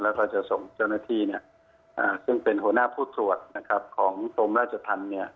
แล้วก็จะส่งเจ้าหน้าที่ซึ่งเป็นหัวหน้าผู้ตรวจของกรมราชธรรม